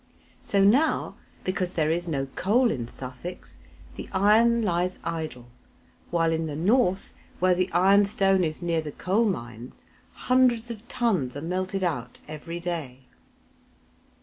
So now, because there is no coal in Sussex, the iron lies idle, while in the North, where the iron stone is near the coal mines, hundreds of tons are melted out every day.